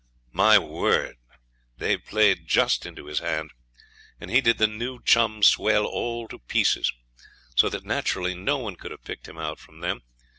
My word! they played just into his hand, and he did the new chum swell all to pieces, and so that natural no one could have picked him out from them.